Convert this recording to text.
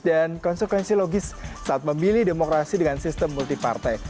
dan konsekuensi logis saat memilih demokrasi dengan sistem multipartai